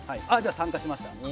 参加しました。